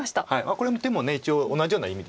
この手も一応同じような意味ですよね。